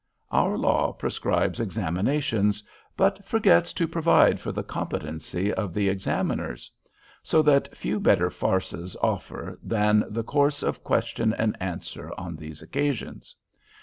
Our law prescribes examinations, but forgets to provide for the competency of the examiners; so that few better farces offer than the course of question and answer on these occasions.